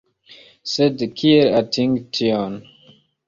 Sed kiel atingi tion?